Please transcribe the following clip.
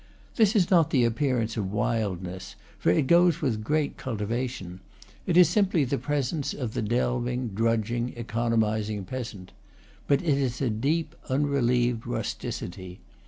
This is not the appearance of wildness, for it goes with great cultivation; it is simply the presence of the delving, drudging, economizing peasant. But it is a deep, unrelieved rusticity.